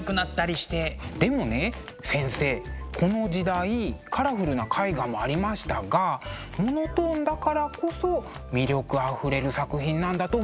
でもね先生この時代カラフルな絵画もありましたがモノトーンだからこそ魅力あふれる作品なんだと思うんです。